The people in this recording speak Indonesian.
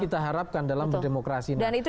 kita harapkan dalam berdemokrasi dan itu